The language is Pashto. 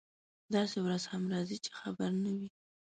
داسې ورځ هم راځي چې خبر نه وي.